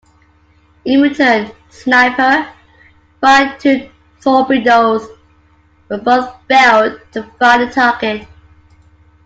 In return, "Snapper" fired two torpedoes but both failed to find the target.